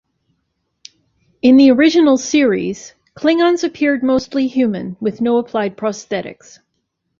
In "The Original Series", Klingons appeared mostly human, with no applied prosthetics.